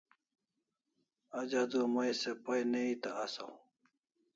Aj adua mai se pay ne eta asaw